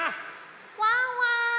ワンワン